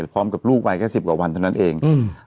พร้อมกับลูกไว้แค่สิบกว่าวันเท่านั้นเองอืม